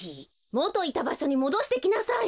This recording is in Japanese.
もといたばしょにもどしてきなさい！